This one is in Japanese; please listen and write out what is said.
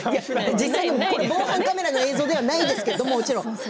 防犯カメラの映像ではないんですけれども。